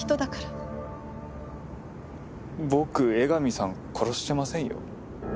僕江上さん殺してませんよ。